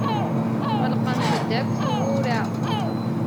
Ɣelqent-d akk tewwura.